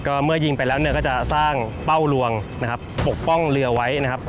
ก็เมื่อยิงไปแล้วเนี่ยก็จะสร้างเป้าลวงนะครับปกป้องเรือไว้นะครับ